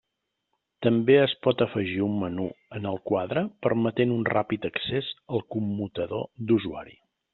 També es pot afegir un menú en el quadre permetent un ràpid accés al commutador d'usuari.